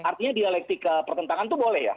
artinya dialektika pertentangan itu boleh ya